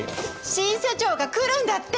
新社長が来るんだって！